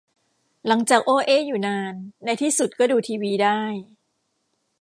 หลังจากโอ้เอ้อยู่นาน ในที่สุดก็ดูทีวีได้